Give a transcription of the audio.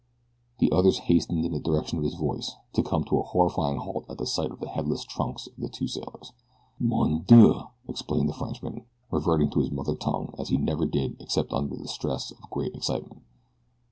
The others hastened in the direction of his voice, to come to a horrified halt at the sides of the headless trunks of the two sailors. "Mon Dieu!" exclaimed the Frenchman, reverting to his mother tongue as he never did except under the stress of great excitement.